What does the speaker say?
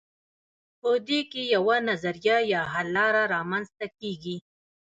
په دې کې یوه نظریه یا حل لاره رامیینځته کیږي.